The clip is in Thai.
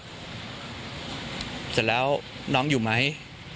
เสร็จแล้วน้องอยู่ไหม